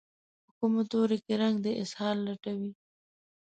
په کومو تورو کې رنګ د اظهار لټوي